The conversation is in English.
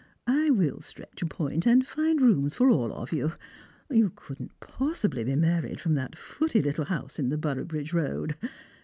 I will stretch a point, and find rooms for all of you. You could not possibly be married from that footy little house in the Boroughbridge road.